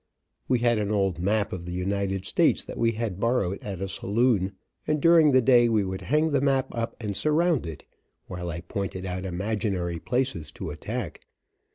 We had an old map of the United States that we had borrowed at a saloon, and during the day we would hang the map up and surround it, while I pointed out imaginary places to attack.